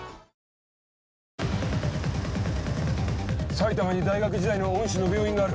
埼玉に大学時代の恩師の病院がある。